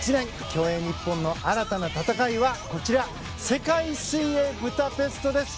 競泳日本の新たな戦いはこちら世界水泳ブダペストです。